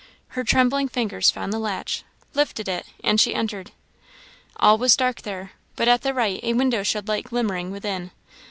Her trembling fingers found the latch lifted it and she entered. All was dark there; but at the right a window showed light glimmering within.